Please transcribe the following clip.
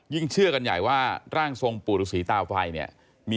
เชื่อกันใหญ่ว่าร่างทรงปู่ฤษีตาไฟเนี่ย